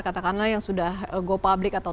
katakanlah yang sudah gopublic atau